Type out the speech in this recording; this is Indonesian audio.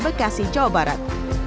bekasi jawa barat